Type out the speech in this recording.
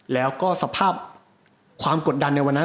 แล้วก็สภาพความกดดันในวันนั้น